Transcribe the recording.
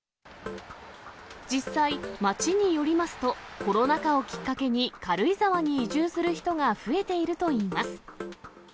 実際、町によりますと、コロナ禍をきっかけに、軽井沢に移住する人が増えているといいます。